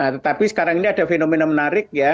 tetapi sekarang ini ada fenomena menarik ya